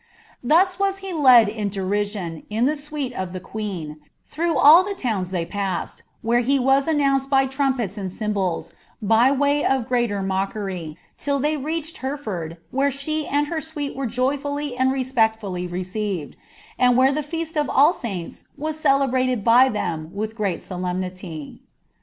Thus was he led in derision, in the suite of the queen, through all the towns they passed, where he was announced Sir trumpets and cymbals, by way of greater mockery, till they reached ereibrd, where she and her suite were joyfully and respectfully received, and where the feast of All Saints was celebrated by them with great •oiemnity.